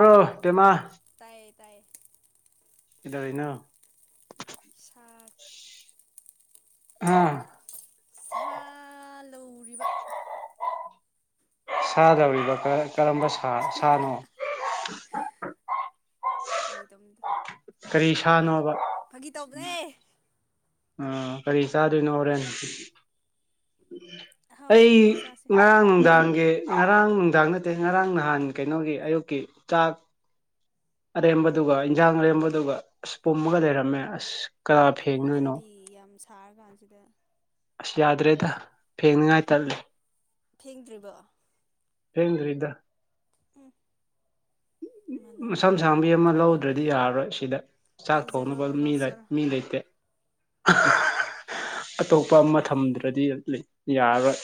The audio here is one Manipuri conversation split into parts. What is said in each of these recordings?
ꯍꯣ ꯇꯃ ꯇꯥꯏ ꯏꯗ ꯑꯩꯅ ꯁꯥꯠ ꯑꯥ ꯁꯥ ꯂꯧꯔꯤꯕ ꯁꯥꯗꯧꯔꯤꯕ ꯀꯔꯝꯕ ꯁꯥ ꯁꯥꯅꯣ ꯐꯒꯤ ꯇꯝꯗ ꯀꯔꯤ ꯁꯥꯅꯣꯕ ꯐꯥꯒꯤ ꯇꯧꯕꯅꯦꯦ ꯑ ꯀꯔꯤ ꯆꯗꯅ ꯑꯣꯔꯦꯟ ꯑꯍꯥꯎꯕ ꯑꯩ ꯄꯨꯔꯛꯑꯣ ꯆꯥꯁꯦ ꯉꯔꯥꯡ ꯅꯨꯡꯗꯥꯡꯒꯤ ꯉꯔꯥꯡ ꯅꯨꯡꯗꯥꯡ ꯅꯠꯇꯦ ꯉꯔꯥꯡ ꯅꯍꯥꯟ ꯀꯩꯅꯣꯒꯤ ꯑꯌꯨꯛꯀꯤ ꯆꯥꯛ ꯑꯔꯦꯝꯕꯗꯨꯒ ꯏꯟꯖꯥꯡ ꯑꯔꯦꯝꯕꯗꯨꯒ ꯑꯁ ꯄꯨꯝꯃꯒ ꯂꯩꯔꯝꯃꯦ ꯑꯁ ꯀꯅꯥ ꯐꯦꯡꯗꯣꯏꯅꯣ ꯄꯨꯝꯗ꯭ꯔꯗꯤ ꯌꯥꯝ ꯁꯥꯔꯀꯥꯟꯁꯤꯗ ꯑꯁ ꯌꯥꯗ꯭ꯔꯦꯗ ꯐꯦꯡꯅꯤꯡꯉꯥꯏ ꯇꯠꯂ ꯐꯦꯡꯗ꯭ꯔꯤꯕ ꯍꯦꯡꯡꯔꯤ ꯎꯝ [inaudible] ꯃꯅꯝꯗꯣ ꯃꯁꯝ ꯍꯦꯟꯅ ꯁꯪꯕꯤ ꯍꯦꯟꯅ ꯑꯃ ꯊꯣꯛꯇꯣꯏꯕ ꯂꯧꯗ꯭ꯔꯗꯤ ꯌꯥꯔꯔꯣꯏ ꯁꯤꯗ ꯆꯥꯛ ꯂꯧꯖꯔꯣ ꯊꯣꯡꯅꯕ ꯂꯧꯖꯔꯣ ꯃꯤ ꯂꯩꯇꯦ ꯑꯇꯣꯞꯄ ꯃꯇꯝꯗ꯭ꯔꯗꯤ ꯌꯥꯔꯣꯏ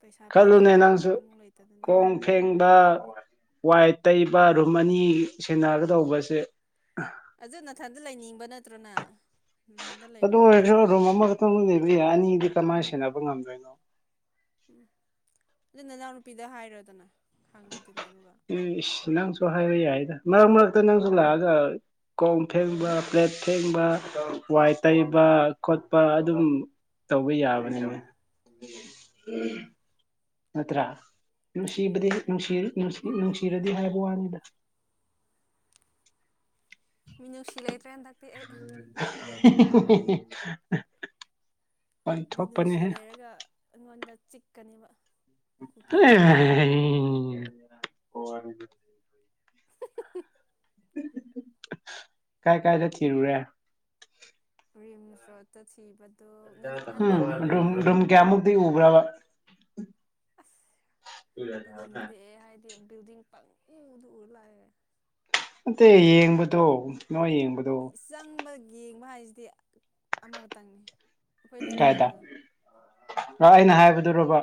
ꯄꯩꯁꯥ ꯈꯜꯂꯨꯅꯦ ꯄꯤꯅꯤꯡꯉꯥꯏ ꯅꯪꯁꯨ ꯑꯃꯨꯛ ꯂꯩꯇꯗꯅ ꯈꯣꯡ ꯐꯦꯡꯕ ꯋꯥꯏꯠ ꯇꯩꯕ ꯔꯨꯝ ꯑꯅꯤ ꯁꯦꯟꯅꯒꯗꯧꯕꯁꯦ ꯑꯗꯨ ꯅꯥꯊꯟꯗ ꯂꯩꯅꯤꯡꯕ ꯅꯠꯇ꯭ꯔꯣꯅ ꯑꯗꯨ ꯑꯣꯏꯔꯁꯨ ꯔꯨꯝ ꯑꯃꯈꯛꯇꯪ ꯂꯩꯕ ꯌꯥꯏ ꯑꯅꯤꯗꯤ ꯀꯃꯥꯏꯅ ꯁꯦꯟꯅꯕ ꯉꯝꯗꯣꯏꯅꯣ ꯎꯝ ꯑꯗꯨ ꯅꯅꯥꯎꯅ ꯅꯨꯄꯤꯗ ꯍꯥꯏꯔꯗꯅ ꯈꯪꯉ ꯑꯦ ꯏꯁ ꯅꯪꯁꯨ ꯍꯥꯏꯕ ꯌꯥꯏꯗ ꯃꯔꯛ ꯃꯔꯛꯇ ꯅꯪꯁꯨ ꯂꯥꯛꯑꯒ ꯀꯣꯝ ꯐꯦꯡꯕ ꯄ꯭ꯂꯦꯠ ꯐꯦꯡꯕ ꯋꯥꯏ ꯇꯩꯕ ꯈꯣꯠꯄ ꯑꯗꯨꯝ ꯇꯧꯕ ꯌꯥꯕꯅꯦꯕ ꯎꯝ ꯅꯠꯇ꯭ꯔꯥ ꯅꯨꯡꯁꯤꯕꯗꯤ ꯅꯨꯡꯁꯤꯔꯗꯤ ꯍꯥꯏꯕ ꯋꯥꯅꯤꯗ [inaudible] ꯃꯤꯅꯨꯡꯁꯤ ꯂꯩꯇ꯭ꯔꯦ ꯍꯟꯗꯛꯇꯤ ꯑꯩ [inaudible] ꯃꯤ ꯅꯨꯡꯁꯤ ꯋꯥꯟꯊꯣꯛꯄꯅꯦꯍꯦ ꯂꯩꯔꯒ ꯑꯩꯉꯣꯟꯗ ꯆꯤꯛꯀꯅꯦꯕ ꯀꯨꯀꯤ ꯇꯥꯏꯞꯇ [inaudible] ꯀꯥꯏ ꯀꯥꯏꯗ ꯊꯤꯔꯨꯨꯔꯦ ꯔꯤꯝ ꯁ꯭ꯔꯣꯠꯇ ꯊꯕ ꯎꯝ ꯔꯝ ꯀꯌꯥꯃꯨꯛꯇꯗꯤ ꯎꯕ꯭ꯔꯕ ꯑ ꯔꯨꯝꯝꯗ ꯍꯥꯏꯗꯤ [unintelligible] ꯕꯜꯗꯤꯡ ꯄꯪ ꯎꯗ ꯂꯥꯛꯑꯦ ꯑꯦ ꯌꯦꯡꯕꯗꯣ ꯅꯣꯏ ꯌꯦꯡꯕꯗꯣ ꯆꯪꯕ ꯌꯦꯡꯕ ꯍꯥꯏꯁꯤꯗꯤ ꯑꯃꯈꯛꯇꯪꯅꯤ ꯑꯩꯈꯣꯏ ꯀꯥꯏꯗ ꯂꯩꯀꯥꯏꯒꯤꯗꯣ ꯑꯩꯅ ꯍꯥꯏꯕꯗꯨ ꯔꯣꯕꯥ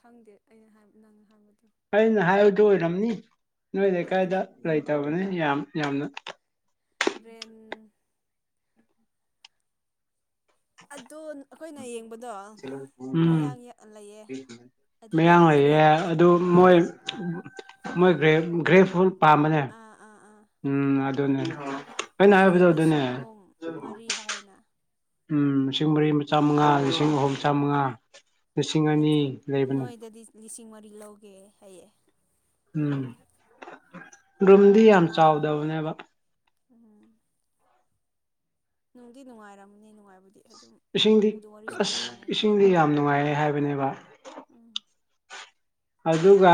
ꯈꯪꯗꯦ ꯑꯩꯅ ꯅꯪ ꯍꯥꯏꯕꯗꯤ ꯑꯩꯅ ꯍꯥꯏꯕꯗꯨ ꯑꯣꯏꯔꯝꯅꯤ ꯅꯣꯏ ꯂꯩꯀꯥꯏꯗ ꯂꯩꯇꯕꯅꯦ ꯌꯥꯝ ꯌꯥꯝ ꯔ ꯑꯗꯨ ꯑꯩꯈꯣꯏꯅ ꯌꯦꯡꯕꯗꯣ ꯎꯝ ꯃꯌꯥꯡꯛ ꯂꯩꯌꯦ ꯑꯗꯨꯒ ꯃꯌꯥꯡ ꯂꯩꯌꯦ ꯒ꯭ꯔꯦꯞ ꯑꯗꯨ ꯃꯣꯏ ꯒ꯭ꯔꯦꯞ ꯃꯣꯏ ꯒ꯭ꯔꯦ ꯒ꯭ꯔꯦ ꯐꯨꯜ ꯄꯥꯝꯕꯅꯦ ꯑꯥ ꯑꯥ ꯑꯥ ꯎꯝ ꯑꯗꯨꯗꯟꯅ ꯑꯗꯨꯗ ꯂꯤꯁꯤꯡ ꯑꯍꯨꯝ ꯃꯔꯤ ꯍꯥꯏꯅ ꯎꯝ ꯂꯤꯁꯤꯡ ꯃꯔꯤ ꯃꯆꯥꯥꯃꯉꯥ ꯂꯤꯁꯤꯡ ꯑꯍꯨꯝ ꯃ ꯆꯥꯃꯉꯥ ꯂꯤꯁꯤꯡ ꯑꯅꯤ ꯂꯩꯕꯅꯤ ꯀ ꯂꯧꯒꯦ ꯍꯌꯦ ꯎꯝ ꯔꯨꯝꯗꯤ ꯌꯥꯝ ꯇꯥꯡꯉꯦꯕ ꯆꯥꯎꯗꯕꯅꯦꯕ ꯎꯝ ꯅꯨꯡꯗꯤ ꯅꯨꯡꯉꯥꯏꯔꯝꯃꯅꯤ ꯅꯨꯡꯉꯥꯏꯕꯨꯗꯤ ꯏꯁꯤꯡꯗꯤ ꯑꯁ ꯇꯧꯋꯦ ꯏꯁꯤꯡꯗꯤ ꯌꯥꯝ ꯅꯨꯡꯉꯥꯏꯔꯦ ꯍꯥꯏꯕꯅꯦꯕ ꯎꯝ ꯑꯗꯨꯒ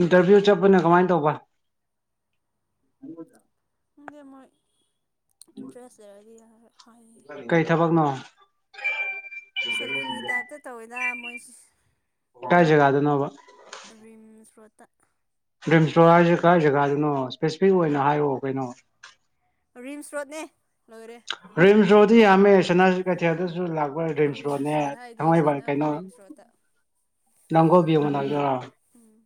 ꯏꯟꯇꯔꯚꯤꯌꯨ ꯆꯠꯄꯅ ꯀꯃꯥꯏꯅ ꯇꯧꯕ ꯍꯪꯗ ꯁꯦ ꯃꯣꯏ ꯏꯟꯇꯔꯦꯁ ꯂꯩꯔꯗꯤ ꯌꯥꯔ ꯍꯣꯏ ꯀꯩ ꯊꯕꯛꯅꯣ ꯁꯂꯨꯟꯒꯤ ꯇꯥꯏꯞꯇ ꯇꯧꯋꯤꯗ ꯃꯣꯏ ꯀꯥꯏꯖꯒꯗ ꯅꯕ ꯨ [unintelligible] ꯠꯇ ꯗ꯭ꯔꯤꯝ ꯏꯁꯇꯣꯔ ꯍꯥꯏꯔꯤꯁꯦ ꯀꯥꯏ ꯖꯒꯥꯗꯨꯅꯣ ꯏꯁꯄꯦꯁꯤꯐꯤꯛ ꯑꯣꯏꯅ ꯍꯥꯏꯔꯛꯑꯣ ꯀꯩꯅꯣ ꯔꯤꯝꯁ ꯔꯣꯗꯅꯦ ꯂꯣꯏꯔꯦ ꯔꯤꯝꯁꯣꯗꯤ ꯍꯥꯃꯦꯁꯅꯥꯁꯤ ꯀꯩꯊꯤ ꯑꯗꯨꯁꯨ ꯂꯥꯛ ꯔꯤꯝꯁ ꯔꯣꯠ ꯍꯥꯏꯗꯤ ꯑꯁꯤ ꯅꯛꯄ ꯔꯤꯝꯁ ꯔꯣꯠꯇ ꯅꯪꯒꯣꯕꯤ ꯃꯅꯥꯗ ꯎꯝ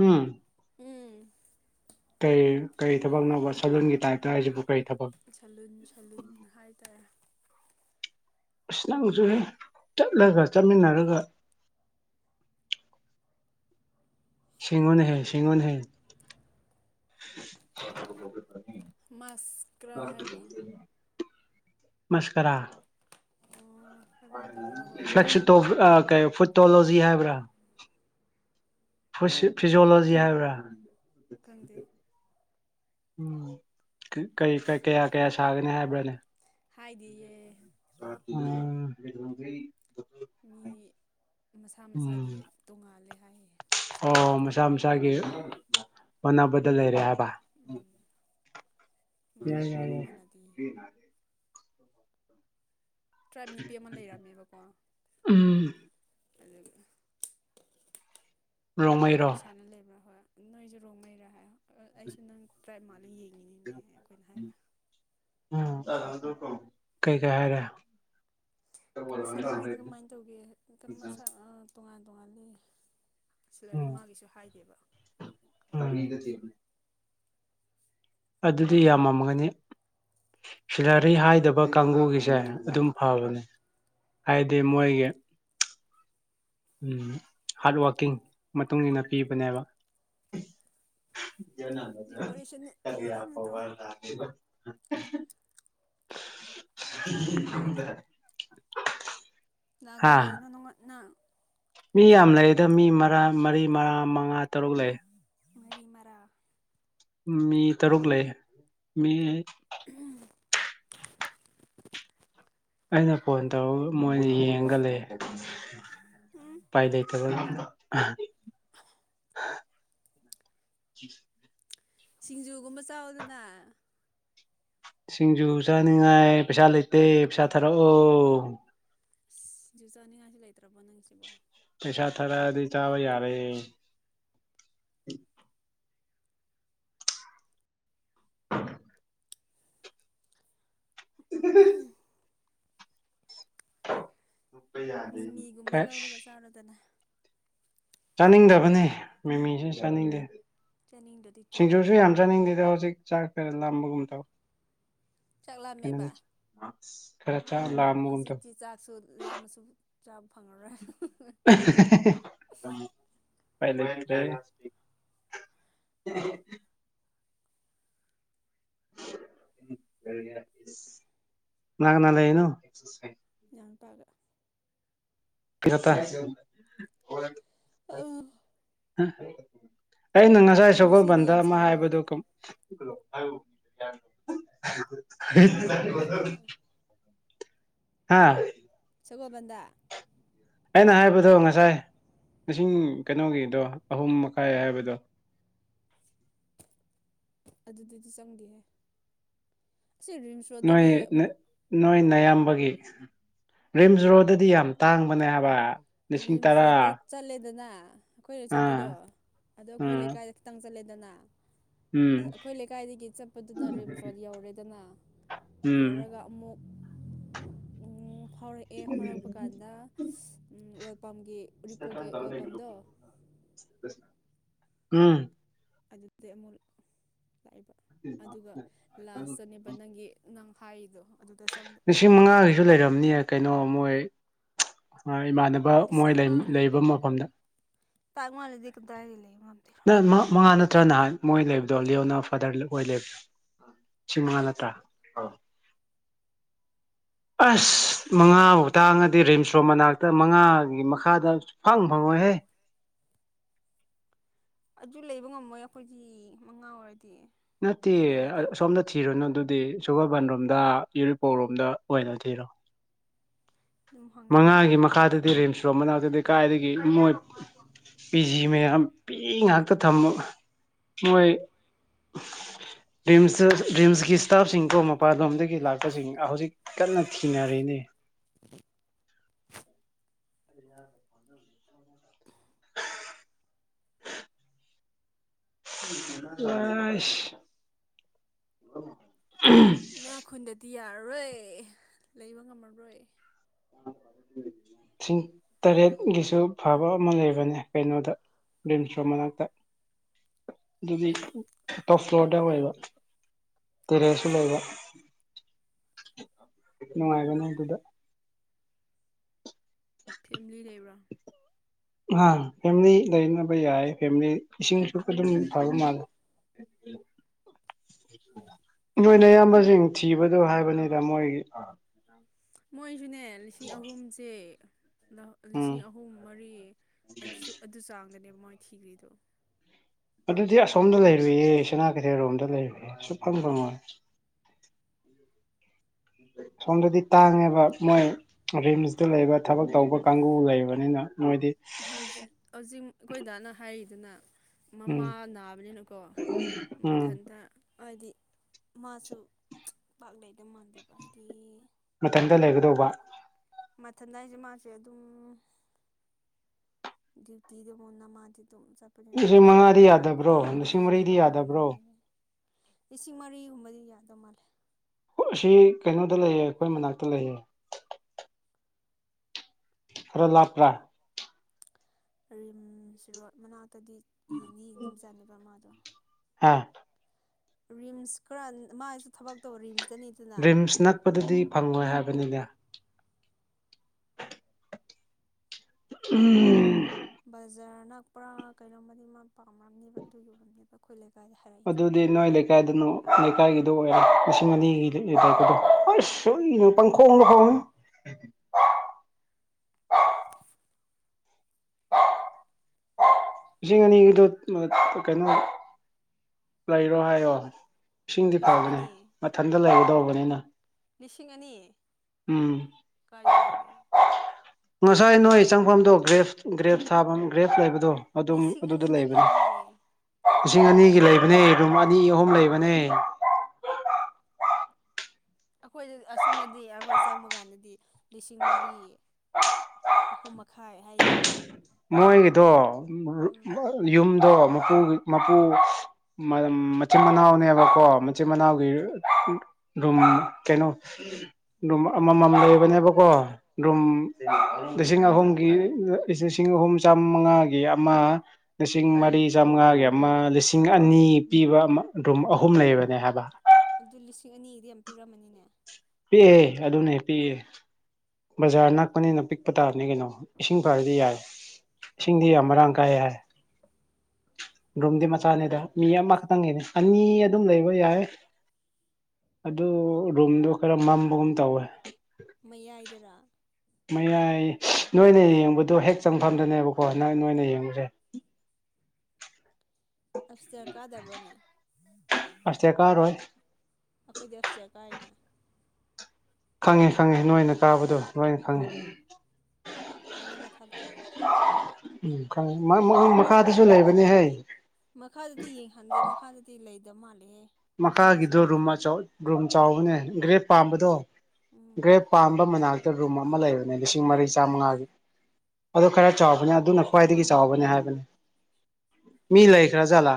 ꯎꯝ ꯎꯝ ꯀꯩ ꯀꯔꯤ ꯊꯕꯛꯅꯅꯕ ꯁꯗꯨꯜꯒꯤ ꯇꯥꯏꯞꯇ ꯍꯥꯏꯁꯤꯕꯨ ꯀꯩ ꯊꯕꯛ ꯁꯦꯂꯨꯟ ꯁꯦꯂꯨꯟ ꯍꯥꯏꯇꯥꯔꯦ ꯑꯁ ꯅꯪꯁꯨ ꯆꯠꯂꯒ ꯆꯠꯃꯤꯟꯅꯔꯒ [unintelligible] ꯁꯤꯉꯣꯟ ꯍꯦ ꯁꯤꯉꯣꯟ ꯍꯦ ꯃꯥꯁꯀ꯭ꯔꯥ ꯍꯥꯏꯕ꯭ꯔꯥ [unintelligible] [inaudible] ꯃꯁꯀꯔꯥ ꯑꯣ ꯍꯥꯏꯒꯨꯝ ꯇꯧꯋꯦ ꯍꯣꯏ ꯐꯣ ꯀ ꯐꯇꯣꯂꯣꯖꯤ ꯍꯥꯏꯕ꯭ꯔꯥ ꯐꯤꯖꯤꯌꯣꯂꯣꯖꯤ ꯍꯥꯏꯕ꯭ꯔꯥ ꯀꯗ ꯎ ꯀꯩ ꯀꯌꯥ ꯀꯌꯥ ꯁꯥꯒꯅꯤ ꯍꯥꯏꯕ꯭ꯔꯅꯦ ꯍꯥꯏꯗꯤꯌꯦ [unintelligible] ꯃꯤ ꯃꯁꯥ ꯃꯁꯥꯒꯤ ꯎꯝ ꯇꯣꯡꯉꯥꯜꯂꯦ ꯍꯥꯏꯌꯦ ꯑꯣ ꯁꯦꯂꯔꯤꯗꯣ ꯃꯁꯥ ꯃꯁꯥꯒꯤ ꯍ‌ꯣꯟꯅꯕꯗ ꯂꯩꯔꯦ ꯍꯥꯏꯕ ꯕꯥ ꯎꯝ ꯌꯥ ꯃꯥꯒ ꯌꯥ ꯃꯥꯒ ꯌꯥ ꯃꯥꯟꯅꯗꯤꯌꯦ ꯇ꯭ꯔꯥꯏꯞ ꯅꯨꯄꯤ ꯑꯃ ꯂꯩꯔꯝꯃꯦꯕꯀꯣ ꯎꯝ ꯑꯩꯈꯣꯏ ꯔꯣꯡꯃꯩꯔꯣ ꯋꯥꯔꯤ ꯁꯥꯟꯅ ꯂꯩꯕ ꯍꯣꯏ ꯅꯣꯏꯁꯨ ꯔꯣꯡꯉꯩꯔꯦ ꯍꯥꯏ ꯑꯩꯁꯨ ꯅꯪ ꯇ꯭ꯔꯥꯏ ꯃꯥꯜꯂ ꯌꯦꯡꯉ ꯎꯝ ꯀꯩ ꯀꯩ ꯍꯥꯏꯔꯦ ꯎꯝ ꯁꯦꯂꯔꯤꯗꯤ ꯀꯃꯥꯏꯅ ꯇꯧꯒꯦ ꯃꯁꯥ ꯇꯣꯉꯥꯟ ꯇꯣꯉꯥꯜꯂꯤ ꯁꯤꯂꯔꯤ ꯃꯥꯒꯤꯁꯨ ꯍꯥꯏꯗꯦꯕ ꯉꯗꯥꯗꯤꯕꯅꯤ ꯑꯗꯨꯗꯤ ꯌꯥꯝꯃꯝꯒꯅꯤ ꯁꯤꯂꯔꯤ ꯍꯥꯏꯗꯥꯕ ꯀꯥꯡꯒꯒꯤꯁꯦ ꯑꯗꯨꯝ ꯐꯕꯅꯦ ꯍꯥꯏꯗꯤ ꯃꯣꯏꯒꯤ ꯎꯝ ꯍꯥꯔꯠ ꯋꯥꯔꯀꯤꯡ ꯃꯇꯨꯡ ꯏ ꯃꯇꯨꯡꯏꯟꯅ ꯄꯤꯕꯅꯦꯕ ꯗꯦꯀꯣꯔꯦꯁꯟꯅꯤ ꯐꯖꯅ ꯇꯧꯔ [unintelligible] [unintelligible] ꯏ ꯒꯗꯂ ꯏꯅ ꯅꯅ ꯃꯤ ꯌꯥꯝ ꯂꯩꯦꯗ ꯃꯤ ꯃꯔꯤ ꯃꯔꯥ ꯃꯉꯥ ꯇꯔꯨꯛ ꯂꯩ ꯃꯔꯤ ꯃꯔꯥ ꯃꯤ ꯇꯔꯨꯛ ꯂꯩ ꯃꯤ ꯎꯝ ꯑꯩꯅ ꯐꯣꯟ ꯇꯧꯔ ꯃꯣꯏꯁ ꯌꯦꯡꯒꯂꯦ ꯂꯩꯇ ꯑꯥ ꯁꯤꯡꯖꯨꯒꯨꯝꯕ ꯆꯥꯎꯗꯅ ꯁꯤꯡꯖꯨ ꯆꯥꯅꯤꯡꯉꯥꯏ ꯄꯩꯁꯥ ꯂꯩꯇꯦ ꯄꯩꯁꯥ ꯊꯥꯔꯛꯑꯣ ꯑ ꯖꯨ ꯆꯥꯅꯤꯡꯉꯥꯏꯁꯤ ꯂꯩꯇ꯭ꯔꯕꯣ ꯅꯪꯁꯤꯕꯣ ꯄꯩꯁꯥ ꯊꯔꯗꯤ ꯆꯥꯕ ꯌꯥꯔꯦ [unintelligible] [unintelligible] ꯃꯤꯃꯤꯒꯨꯝꯕ ꯀꯥꯏ ꯂꯧꯔꯒ ꯆꯥꯔꯗꯅ ꯆꯥꯅꯤꯡꯗꯕꯅꯦ ꯃꯤꯃꯤꯁꯤ ꯆꯥꯅꯤꯡꯗꯦ ꯆꯥꯅꯤꯡꯗ꯭ꯔꯗꯤ ꯇꯣꯛꯑꯣꯅ ꯁꯤꯡꯖꯨꯁꯨ ꯌꯥꯝ ꯆꯥꯅꯤꯡꯗꯦꯗ ꯍꯧꯖꯤꯛ ꯍꯧꯖꯤꯛ ꯆꯥꯛ ꯐꯔꯦ ꯂꯥꯝꯕꯒꯨꯝ ꯇꯧ ꯆꯥꯛꯂ ꯃꯕ ꯍꯝ ꯍꯧꯖꯤꯛꯇꯤ ꯆꯥꯛꯁꯨ ꯂꯥꯝꯃꯁꯨ ꯆꯥꯎ ꯐꯪꯉꯔꯣꯏ ꯄꯥꯏ ꯈꯇ ꯅꯅꯥꯥꯛꯅ ꯂꯩꯅꯣ ꯆꯪ ꯄꯒ ꯄ ꯑꯥ ꯑꯩꯅ ꯉꯁꯥꯏ ꯉꯁꯤꯗꯤ ꯁꯒꯣꯜꯕꯟꯗ ꯌꯥꯝ ꯑꯃ ꯁꯥꯕ ꯍꯥꯏꯕꯗꯨ ꯑꯣꯏꯗꯦ ꯁꯒꯣꯜꯕꯟꯗ [unintelligible] ꯍꯥꯥ ꯁꯒꯣꯜꯕꯟꯗ ꯑꯩꯅ ꯍꯥꯏꯕꯗꯣ ꯉꯁꯥꯏ ꯂꯤꯁꯤꯡ ꯀꯩꯅꯣꯒꯤꯗꯣ ꯑꯍꯨꯝ ꯃꯈꯥꯏ ꯍꯥꯏꯕꯗꯣ ꯑꯗꯨꯗꯨꯗꯤ ꯆꯪꯒꯦꯍꯦ ꯑꯁꯤ ꯔꯤꯝꯁ ꯔꯣꯗꯒꯤ ꯅꯣꯏ ꯑꯃꯨꯛ ꯅꯣꯏ ꯅꯌꯥꯝꯕꯒꯤ ꯔꯤꯝꯁ ꯔꯣꯗꯗꯤ ꯌꯥꯝ ꯇꯥꯡꯕꯅꯦ ꯍꯥꯏꯕ ꯂꯤꯁꯤꯡ ꯔꯤꯝꯁ ꯇꯔꯥ ꯔꯣꯗꯇ ꯆꯠꯂꯦꯗꯅ ꯑꯩꯈꯣꯏꯅ ꯆꯠꯄꯗꯣ ꯑꯥ ꯑꯗꯣ ꯑꯩꯈꯣꯏ ꯎꯝ ꯂꯩꯀꯥꯏꯗ ꯈꯤꯇꯪ ꯆꯠꯂꯦꯗꯅ ꯎꯝ ꯑꯩꯈꯣꯏ ꯂꯩꯀꯥꯏꯗꯒꯤ ꯆꯠꯄꯗꯨꯅ ꯔꯤꯝꯁ ꯔꯣꯗ ꯌꯧꯔꯦꯗꯅ ꯎꯝ ꯌꯧꯔꯒ ꯑꯃꯨꯛ ꯐꯥꯎꯔꯛꯑꯦ ꯐꯥꯎꯔꯛꯄ ꯀꯥꯟꯗ ꯑꯣꯏꯦꯜ ꯄꯝꯒꯤ ꯎꯔꯤꯄꯣꯛꯀꯤ ꯑꯣꯏꯜ ꯄꯝꯗꯣ ꯎꯝ ꯑꯗꯨꯗꯩ ꯑꯃꯨꯛ ꯂꯥꯛꯏꯕ ꯑꯗꯨꯒ ꯂꯥꯁꯇꯅꯦꯕ ꯅꯪꯒꯤ ꯅꯪ ꯐꯥꯏꯗ ꯂꯤꯁꯤꯡ ꯃꯉꯥꯒꯤꯁꯨ ꯂꯩꯔꯝꯅꯤꯌꯦ ꯀꯩꯅꯣ ꯃꯣꯏ ꯏꯃꯥꯟꯅꯕ ꯃꯣꯏ ꯂꯩꯕ ꯃꯐꯝꯗ ꯇꯥꯒ ꯃꯥ ꯂꯩꯗꯤ ꯀꯗꯔꯤ ꯂꯩ ꯃꯝꯗꯔꯣ ꯅꯠꯇ꯭ꯔ ꯅꯍꯥꯟ ꯃꯣꯏ ꯂꯩꯕꯗꯣ ꯂꯤꯑꯣꯅ ꯐꯥꯗꯔ ꯑꯣꯏ ꯂꯩꯕꯗꯣ ꯁꯤꯃꯂꯇꯥ ꯑ ꯑꯁ ꯃꯉꯥꯐꯧ ꯇꯥꯡꯉꯗꯤ ꯔꯤꯝꯁ ꯔꯣꯝ ꯃꯅꯥꯛꯇ ꯃꯉꯥꯒꯤ ꯃꯈꯥꯗ ꯐꯪ ꯐꯪꯉꯣꯏꯍꯦ [unintelligible] ꯑꯗꯨ ꯂꯩꯕ ꯉꯝꯃꯣꯏ ꯑꯩꯈꯣꯏꯒꯤ ꯃꯉꯥ ꯑꯣꯏꯔꯗꯤ ꯅꯠꯇꯦ ꯀꯗꯥꯏꯗꯒꯤ ꯁꯣꯝꯗ ꯊꯤꯔꯨꯅꯨ ꯑꯗꯨꯗꯤ ꯁꯨ ꯊꯕꯥꯟ ꯔꯣꯝꯗ ꯌꯨꯔꯤꯄꯣꯛꯔꯣꯝꯗ ꯑꯣꯏꯅ ꯊꯤꯔꯣ ꯑꯗꯨꯝ ꯍꯪꯉꯤꯅꯤ ꯃꯉꯥꯒꯤ ꯀꯩꯅꯣ ꯃꯈꯥꯗꯗꯤ ꯔꯤꯝꯁ ꯔꯣ ꯃꯅꯥꯛꯇꯗꯤ ꯀꯥꯏꯗꯒꯤ ꯃꯣꯏ ꯄꯤ ꯖꯤ ꯃꯌꯥꯝ ꯄꯤ ꯉꯥꯛꯇ ꯊꯝꯃ ꯃꯣꯏ [unintelligible] ꯔꯤꯝꯁꯇ ꯔꯤꯝꯁꯀꯤ ꯏꯁꯇꯥꯐꯁꯤꯡꯀꯣ ꯃꯄꯥꯟꯂꯣꯝꯗꯒꯤ ꯂꯥꯛꯄꯁꯤꯡ ꯍꯧꯖꯤꯛ ꯀꯟꯅ ꯊꯤꯅꯔꯤꯅꯦ [unintelligible] ꯇꯏꯁ ꯏꯅꯥ ꯈꯨꯟꯗꯗꯤ ꯌꯥꯔꯔꯣꯏ ꯂꯩꯕ ꯉꯝꯃꯔꯣꯏ ꯂꯤꯁꯤꯡ ꯇꯔꯦꯠꯀꯤꯁꯨ ꯐꯕ ꯑꯃ ꯂꯩꯕꯅꯦ ꯀꯩꯅꯣꯗ ꯔꯤꯝ ꯐ꯭ꯂꯣꯔ ꯃꯅꯥꯛꯇ ꯑꯗꯨꯗꯤ ꯇꯣꯞ ꯐ꯭ꯂꯣꯔꯗ ꯑꯣꯏꯕ ꯇꯦꯔꯦꯁꯁꯨ ꯂꯩꯕ ꯅꯨꯡꯉꯥꯏꯒꯅꯤ ꯑꯗꯨꯗ ꯐꯦꯃꯤꯂꯤ ꯂꯩꯕ꯭ꯔꯥ ꯑ ꯐꯦꯃꯤꯂꯤ ꯂꯩꯅꯕ ꯌꯥꯏ ꯐꯦꯃꯤꯂꯤ ꯏꯁꯤꯡꯁꯨ ꯑꯗꯨꯝ ꯐꯕ ꯃꯥꯜꯂꯦ ꯎꯝ ꯅꯣꯏꯅ ꯑꯌꯥꯝꯕꯁꯤꯡ ꯊꯤꯕꯗꯣ ꯍꯥꯏꯕꯅꯤꯗ ꯃꯣꯏꯒꯤ ꯃꯣꯏꯁꯨꯅꯦ ꯂꯤꯁꯤꯡ ꯑꯍꯨꯝꯁꯦ ꯎꯝ ꯂꯤꯁꯤꯡ ꯑꯍꯨꯝ ꯃꯔꯤ ꯑꯗꯨ ꯆꯥꯡꯗꯅꯦꯕ ꯃꯣꯏ ꯊꯤꯒ꯭ꯔꯤꯗꯣ ꯑꯗꯨꯗꯤ ꯑꯁꯣꯝꯗ ꯂꯩꯔꯨꯏꯌꯦ ꯁꯅꯥ ꯀꯩꯊꯦꯜꯔꯣꯝꯗ ꯂꯩꯔꯨꯏꯌꯦ ꯁꯨꯛꯐꯪ ꯐꯪꯉꯣꯏ ꯁꯣꯝꯗꯗꯤ ꯇꯥꯡꯉꯦꯕ ꯃꯣꯏ ꯔꯤꯝꯁꯇ ꯂꯩꯕ ꯊꯕꯛ ꯇꯧꯕ ꯀꯥꯡꯕꯨ ꯂꯩꯕꯅꯤꯅ ꯃꯣꯏꯗꯤ ꯍꯧꯖꯤꯛ ꯍꯧꯖꯤꯛ ꯑꯩꯈꯣꯏ ꯗꯥꯅ ꯍꯥꯏꯔꯤꯗꯨꯅ ꯃꯃꯥ ꯎꯝ ꯅꯥꯕꯅꯤꯅꯀꯣ ꯎꯝ ꯃꯊꯟꯇ ꯍꯥꯏꯗꯤ ꯑꯗꯨ ꯄꯥꯛ ꯂꯩꯇ ꯃꯥꯟꯗꯦꯕ ꯍꯥꯏꯗꯤ ꯃꯊꯟꯇ ꯂꯩꯒꯗꯧꯕ ꯃꯊꯟꯗ ꯍꯥꯏꯁꯦ ꯃꯥꯁꯦ ꯑꯗꯨꯝ ꯗ꯭ꯌꯨꯇꯤꯗ ꯃꯟꯅ ꯃꯥꯗꯤ ꯑꯗꯨꯝ ꯆꯠꯄꯅꯤꯅ ꯂꯤꯁꯤꯡ ꯈꯪꯗꯦ ꯃꯉꯥꯗꯤ ꯌꯥꯝ ꯌꯥꯗꯕ꯭ꯔꯣ ꯇꯥꯡꯕꯗꯤ ꯂꯤꯁꯤꯡ ꯃꯔꯤꯗꯤ ꯌꯥꯗꯕ꯭ꯔꯣ ꯉꯝꯃꯣꯏꯅꯦ ꯂꯤꯁꯤꯡ ꯃꯔꯤꯒꯨꯝꯕꯗꯤ ꯌꯥꯗꯧ ꯃꯥꯜꯂꯦ ꯑꯁꯤ ꯀꯩꯅꯣꯗ ꯂꯩꯌꯦ ꯑꯩꯈꯣꯏ ꯃꯅꯥꯛꯇ ꯂꯩꯌꯦ ꯈꯕꯔ ꯂꯥꯄ꯭ꯔꯥ ꯔꯤꯝꯁ ꯔꯣꯠ ꯃꯅꯥꯛꯇꯗꯤ ꯌꯦꯡꯅꯤ ꯌꯦꯡꯅꯤꯡꯖꯥꯠꯅꯦꯕ꯭ꯔ ꯃꯥꯗꯣ ꯍꯥ ꯔꯤꯝꯁ ꯈꯔ ꯃꯥꯏꯁꯨ ꯊꯕꯛ ꯇꯧ ꯔꯤꯝꯁ ꯔꯤꯝꯁ ꯅꯛꯄꯗꯗꯤ ꯐꯪꯉꯣꯏ ꯍꯥꯏꯕꯅꯤꯅꯦ ꯎꯝ ꯕꯖꯥꯔ ꯅꯛꯄ꯭ꯔꯥ ꯀꯩꯅꯣꯝꯃꯗꯤ ꯃꯥ ꯄꯥꯝꯅꯝꯅꯦꯕ ꯑꯗꯨꯒꯤ ꯑꯣꯏꯝꯅꯦꯕ ꯑꯩꯈꯣꯏ ꯂꯩ ꯑꯗꯨꯗꯨꯗꯤꯅꯣꯂ ꯀꯥꯏ ꯍꯥꯏꯗꯣ ꯑꯥꯗꯥꯏꯒꯤꯗꯣ ꯑꯣꯏꯔꯦ ꯂꯤꯁꯤꯡ ꯑꯅꯤꯒꯤꯗꯥꯏꯗꯣ ꯑꯁ ꯁꯨꯏꯅ ꯄꯪꯈꯣꯡꯗ ꯍꯣꯡꯉꯤ ꯎ ꯂꯤꯁꯤꯡ ꯑꯅꯤꯒꯤꯗ ꯀꯩꯅꯣ ꯂꯩꯔꯣ ꯍꯥꯏꯌꯣ ꯏꯁꯤꯡꯗꯤ ꯂꯤꯁꯤꯡ ꯐꯕꯅꯦ ꯑꯅꯤ ꯃꯊꯟꯇ ꯂꯩꯒꯗꯧꯕꯅꯤꯅ ꯂꯤꯁꯤꯡ ꯑꯅꯤ ꯎꯝ ꯀꯥꯏꯗ ꯂꯩꯒꯦ ꯉꯁꯥꯏ ꯅꯣꯏ ꯆꯪꯐꯝꯗꯣ ꯒ꯭ꯔꯦꯐ ꯒ꯭ꯔꯦꯞ ꯊꯥꯐꯝ ꯒ꯭ꯔꯦꯞ ꯂꯩꯕꯗꯣ ꯑꯗꯨꯝ ꯂꯤꯁꯤꯡ ꯑꯗꯨꯗ ꯑꯅꯤ ꯂꯩꯕꯅꯦ ꯅꯠꯇꯦꯅꯦꯍꯦ ꯂꯤꯁꯤꯡ ꯑꯅꯤꯒꯤ ꯂꯩꯕꯅꯦ ꯑꯗꯨ ꯑꯅꯤ ꯑꯍꯨꯝ ꯂꯩꯕꯅꯦ ꯑꯩꯈꯣꯏꯗ ꯑꯁꯣꯝꯅꯗꯤ ꯑꯩꯈꯣꯏ ꯆꯪꯕ ꯀꯥꯟꯗꯗꯤ ꯂꯤꯁꯤꯡ ꯃꯔꯤ ꯑꯍꯨꯝ ꯃꯈꯥꯏ ꯍꯥꯏꯅ ꯑꯣ ꯎꯝ ꯌꯨꯝꯗꯣ ꯃꯄꯨ ꯃꯄꯨ ꯃꯆꯤꯟ ꯃꯅꯥꯎꯅꯦꯕꯀꯣ ꯃꯆꯤꯟ ꯃꯅꯥꯎꯒꯤꯝ ꯀꯩꯅꯣ ꯑꯗꯨꯝ ꯑꯃꯃꯝ ꯂꯩꯕꯅꯦꯕꯀꯣ ꯎꯝ ꯂꯤꯁꯤꯡ ꯑꯍꯨꯝꯒꯤ ꯂꯤꯁꯤꯡ ꯑꯍꯨꯝ ꯆꯥꯝꯃꯉꯥꯒꯤ ꯑꯃ ꯂꯤꯁꯤꯡ ꯃꯔꯤ ꯆꯥꯝꯃꯉꯥꯒꯤ ꯑꯃ ꯂꯤꯁꯤꯡ ꯑꯅꯤ ꯄꯤ ꯄꯤꯕ ꯑꯃ ꯔꯨꯝ ꯑꯍꯨꯝ ꯂꯩꯕꯅꯦ ꯍꯥꯏꯕ ꯑꯗꯨ ꯂꯤꯁꯤꯡ ꯑꯅꯤꯗꯤ ꯌꯥꯝ ꯄꯤꯈ꯭ꯔꯝꯃꯅꯤꯅꯦ ꯄꯤꯛꯑꯦ ꯑꯗꯨꯅꯦ ꯄꯤꯛꯑꯦ ꯕꯖꯥꯔ ꯅꯛꯄꯅꯤꯅ ꯄꯤꯛꯄ ꯇꯥꯕꯅꯤ ꯅꯤ ꯀꯩꯅꯣ ꯏꯁꯤꯡ ꯐꯔꯗꯤ ꯌꯥꯏ ꯏꯁꯤꯡꯗꯤ ꯌꯥꯝ ꯃꯔꯥꯡ ꯀꯥꯏ ꯍꯥꯏ ꯔꯨꯝꯗꯤ ꯃꯆꯥꯅꯦꯗ ꯃꯤ ꯑꯃꯈꯛꯇꯪꯒꯤꯅꯦ ꯑꯅꯤ ꯑꯗꯨꯝ ꯂꯩꯕ ꯌꯥꯏꯦ ꯑꯗꯨ ꯔꯨꯝꯗꯣ ꯈꯔ ꯃꯝꯕꯒꯨꯝ ꯇꯧꯋꯦ ꯏꯗꯔꯥ ꯃꯌꯥꯏ ꯅꯣꯏꯅ ꯌꯦꯡꯕꯗꯣ ꯍꯦꯛ ꯆꯪꯐꯝꯗꯅꯦꯕꯀꯣ ꯅꯪ ꯅꯣꯏꯅ ꯌꯦꯡꯕꯁꯦ ꯑꯐꯇꯔ ꯀꯥꯗꯕꯅꯦ ꯑꯁꯇꯤꯌꯥ ꯀꯥꯔꯣꯏ ꯑꯩꯈꯣꯏ ꯗ ꯑꯞꯁꯦ ꯀꯥꯏꯅ ꯈꯪꯉꯦ ꯈꯪꯉꯦ ꯅꯣꯏꯅ ꯀꯥꯕꯗꯣ ꯂꯣꯏꯅ ꯈꯪꯉꯦ ꯋꯥ꯭ꯋꯥꯏꯩ ꯃꯊꯛꯇ ꯎꯝ ꯃꯈꯥꯗꯁꯨ ꯂꯩꯕꯅꯤ ꯍ ꯃꯈꯥꯗꯗꯤ ꯌꯦꯡꯍꯟꯗꯦ ꯃꯈꯥꯗꯗꯤ ꯂꯩꯗꯕ ꯃꯥꯜꯂꯦ ꯃꯈꯥꯒꯤꯗꯣ ꯔꯨꯝ ꯔꯨꯝ ꯆꯥꯎꯕꯅꯦ ꯒ꯭ꯔꯦꯞ ꯄꯥꯝꯕꯗꯣ ꯎꯝ ꯒ꯭ꯔꯦꯠ ꯄꯥꯟꯕꯥꯝꯕ ꯃꯅꯥꯛꯇ ꯔꯨꯝ ꯑꯃ ꯂꯩꯕꯅꯦ ꯂꯤꯁꯤꯡ ꯃꯔꯤ ꯆꯥꯃꯉꯥꯒꯤ ꯑꯗꯨ ꯈꯔ ꯆꯥꯎꯕꯅꯤ ꯑꯗꯨꯅ ꯈ꯭ꯋꯥꯏꯗꯒꯤ ꯆꯥꯎꯕꯅꯦ ꯍꯥꯏꯕꯅꯤ ꯃꯤ ꯂꯩꯈ꯭ꯔ ꯖꯥꯠꯂꯥ